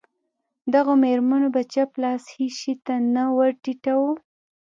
دغو مېرمنو به چپ لاس هېڅ شي ته نه ور ټیټاوه.